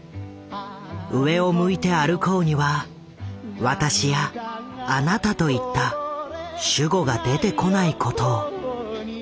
「上を向いて歩こう」には私やあなたといった主語が出てこないことを。